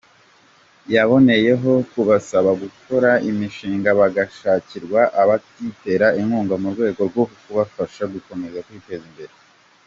Yaboneyeho kubasaba gukora imishinga bagashakirwa abayitera inkunga mu rwego rwo kubafasha gukomeza kwiteza imbere.